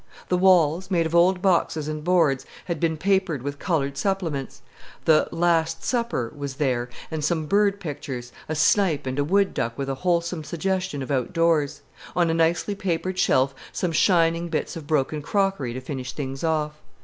The walls, made of old boxes and boards, had been papered with colored supplements. The "Last Supper" was there, and some bird pictures, a snipe and a wood duck with a wholesome suggestion of outdoors; on a nicely papered shelf some shining bits of broken crockery to finish things off.